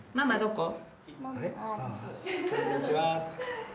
こんにちはって。